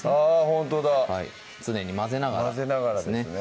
ほんとだ常に混ぜながらですね